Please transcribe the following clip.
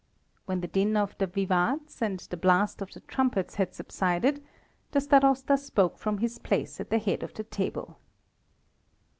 When the din of the vivats and the blast of the trumpets had subsided, the Starosta spoke from his place at the head of the table.